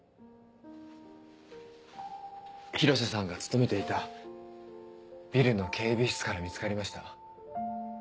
広瀬さんが勤めていたビルの警備室から見つかりました。